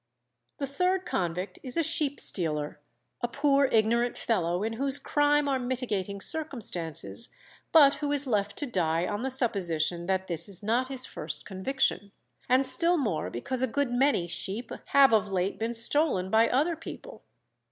The third convict is a sheep stealer, a poor ignorant fellow in whose crime are mitigating circumstances, but who is left to die on the supposition that this is not his first conviction, and still more because a good many sheep have of late been stolen by other people.